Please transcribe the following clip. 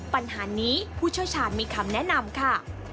ปัญหานี้ผู้เชี่ยวชาญมีคำแนะนำค่ะ